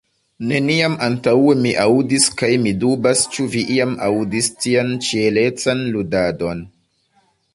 Neniam antaŭe mi aŭdis kaj mi dubas, ĉu vi iam aŭdis tian ĉielecan ludadon.